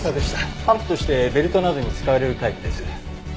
帆布としてベルトなどに使われるタイプです。